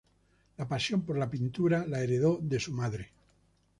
La pasión por la pintura la heredó de su madre.